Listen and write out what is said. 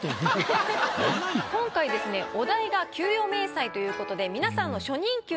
今回お題が給与明細ということで。